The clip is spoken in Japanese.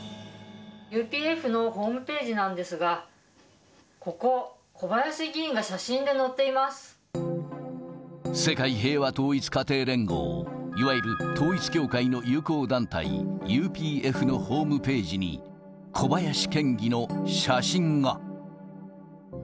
ＵＰＦのホームページなんですが、ここ、世界平和統一家庭連合、いわゆる統一教会の友好団体、ＵＰＦのホームページに、小林県議の写真が。